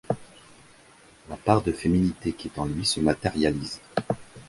La part de féminité qui est en lui se matérialise.